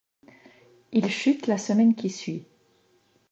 Il chute la semaine qui suit.